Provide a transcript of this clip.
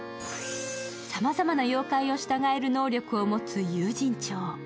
さまざまな妖怪を従える能力を持つ友人帳。